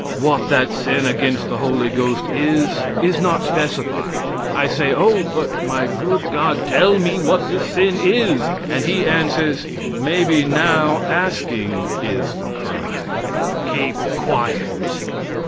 What that sin against the Holy Ghost is, is not specified. I say, "Oh, but my good God, tell me what this sin is." And He answers, "Maybe now asking is the crime. Keep quiet."